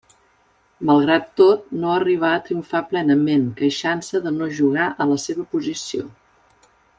Malgrat tot, no arribà a triomfar plenament, queixant-se de no jugar a la seva posició.